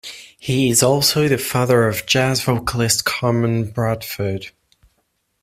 He is also the father of jazz vocalist Carmen Bradford.